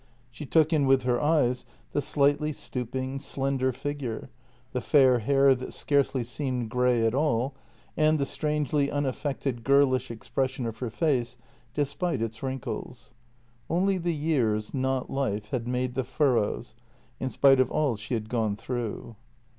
She took in with her eyes the slightly stooping, slender figure, the fair hair that scarcely seemed grey at all, and the strangely unaffected girlish expression of her face, despite its wrinkles. Only the years, not life, had made the furrows, in spite of all she had gone through.